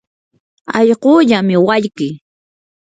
allquullami walkii.